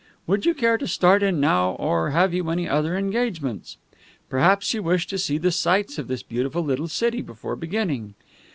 Would you care to start in now, or have you any other engagements? Perhaps you wish to see the sights of this beautiful little city before beginning?